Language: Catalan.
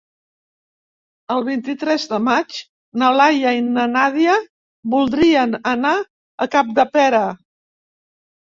El vint-i-tres de maig na Laia i na Nàdia voldrien anar a Capdepera.